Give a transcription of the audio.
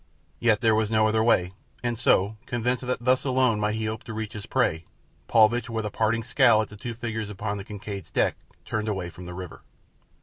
Yet there was no other way, and so, convinced that thus alone might he hope to reach his prey, Paulvitch, with a parting scowl at the two figures upon the Kincaid's deck, turned away from the river.